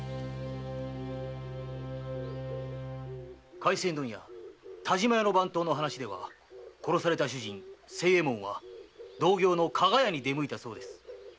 廻船問屋・田島屋の番頭の話では殺された主人・清右衛門は同業の加賀屋に出向いたそうです。